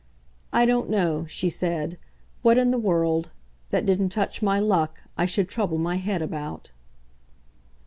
I don't know," she said, "what in the world that didn't touch my luck I should trouble my head about."